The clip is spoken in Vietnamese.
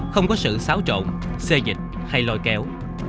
không có sự xáo trộn xê dịch hay lôi kéo